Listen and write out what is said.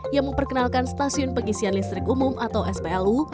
yang memperkenalkan stasiun pengisian listrik umum atau splu